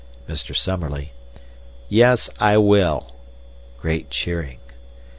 Mr. Summerlee: "Yes, I will." (Great cheering.)